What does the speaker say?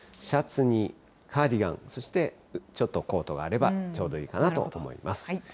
シャツにカーディガン、そしてちょっとコートがあれば、ちょうどいいかなと思います。